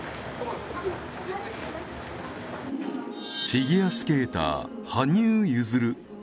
フィギュアスケーター羽生結弦